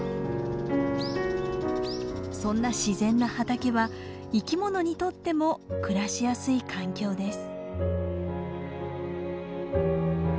そんな自然な畑は生きものにとっても暮らしやすい環境です。